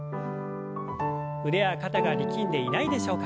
腕や肩が力んでいないでしょうか？